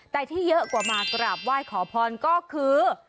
แต่ที่เยอะกว่ามากราบไหว้ขอพรก็คือ